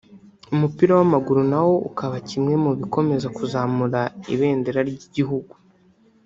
umupira w’amaguru nawo ukaba kimwe mu bikomeza kuzamura ibendera ry’igihugu